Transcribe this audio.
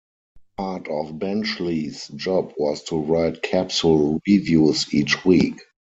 Part of Benchley's job was to write capsule reviews each week.